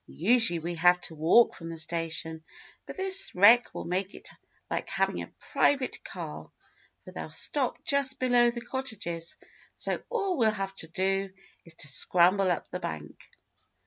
Usually we have to walk from the station, but this wreck will make it like having a private car, for they'll stop just below the cottages so all we'll have to do is to scramble up the bank."